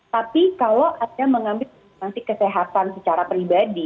tapi kalau anda mengambil substansi kesehatan secara pribadi